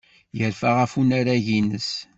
Yerfa ɣef unarag-nnes.